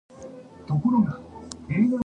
Access is free.